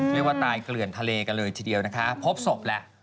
เรียกว่าตายเกลื่อนทะเลกันเลยทีเดียวนะคะพบศพแหละ